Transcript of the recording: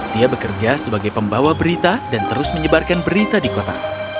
dia bekerja sebagai pembawa berita dan terus menyebarkan berita di kota